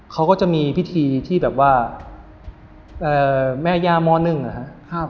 เขาก็จะมีพิธีที่แบบว่าแม่ย่ามหนึ่งนะครับ